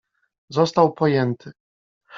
został pojęty.